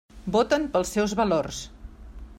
Voten pels seus valors.